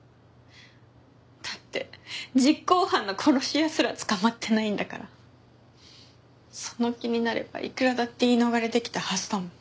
だって実行犯の殺し屋すら捕まってないんだからその気になればいくらだって言い逃れできたはずだもん。